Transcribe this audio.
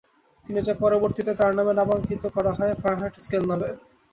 তিনি যা পরবর্তীতে তার নামে নামাঙ্কিত করা হয় ফারেনহাইট স্কেল নামে।